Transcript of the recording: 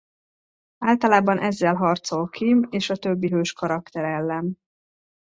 Általában ezzel harcol Kim és a többi hős karakter ellen.